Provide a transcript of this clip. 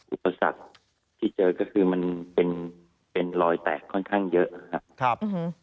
อุปสรรคที่เจอก็คือมันเป็นรอยแตกค่อนข้างเยอะนะครับ